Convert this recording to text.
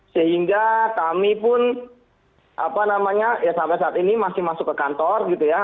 sehingga kami pun apa namanya ya sampai saat ini masih masuk ke kantor gitu ya